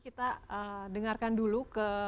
kita dengarkan dulu